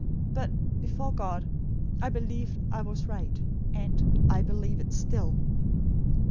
But, before God, I believed I was right; and I BELIEVE IT STILL."